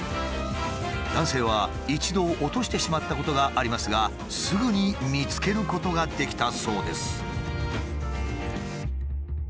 男性は一度落としてしまったことがありますがすぐに見つけることができたそうです。